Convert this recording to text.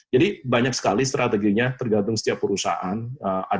jadi banyak sekali strateginya tergantung setiap perusahaan